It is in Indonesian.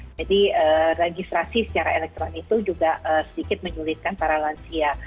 jadi registrasi secara elektronik itu juga sedikit menyulitkan para lansia